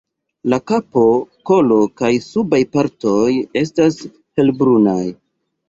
La kapo, kolo kaj subaj partoj estas helbrunaj.